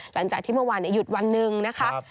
หลังจากที่เมื่อวานหยุดวันหนึ่งนะคะ